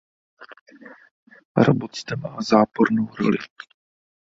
Robot zde má zápornou roli.